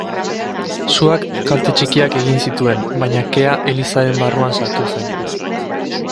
Suak kalte txikiak egin zituen, baina kea elizaren barruan sartu zen.